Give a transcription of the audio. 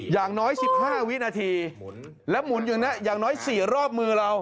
อย่างน้อย๑๕วินาทีแล้วหมุนอย่างนี้อย่างน้อย๔รอบมือเรา